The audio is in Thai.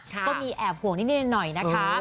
ก็มีแอบห่วงนิดหน่อยนะคะ